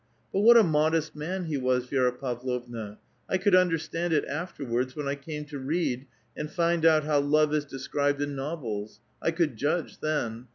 But what a modest man he was, Vi^ra Pavlovna ; I could understand it afterwards, when I came to read and find out how love is described in novels ; I could judge then.